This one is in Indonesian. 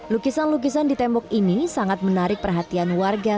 lukisan lukisan di tembok ini sangat menarik perhatian warga